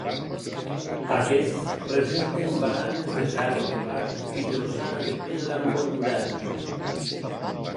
Aquests presenten baranes de ferro colat i llosana de pedra motllurada.